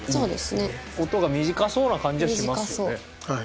音が短そうな感じはしますね。